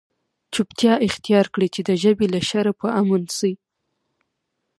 چوپتیا اختیار کړئ! چي د ژبي له شره په امن سئ.